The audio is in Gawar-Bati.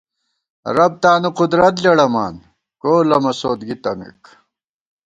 رب تانُو قدرت لېڑَمان ، کول امہ سودگی تمېک